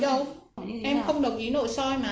được nếu em không đồng ý thì thôi nhé không sao đâu